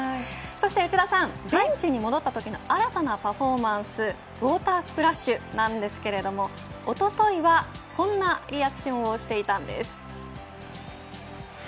そして内田さん、ベンチに戻ったときの新たなパフォーマンスウオータースプラッシュなんですがおとといは、こんなリアクションをしていたんです。